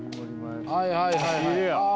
はいはいはい。